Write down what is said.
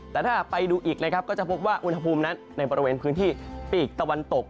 แต่ถ้าหากไปดูอีกนะครับก็จะพบว่าอุณหภูมินั้นในบริเวณพื้นที่ปีกตะวันตก